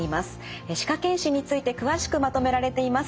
歯科健診について詳しくまとめられています。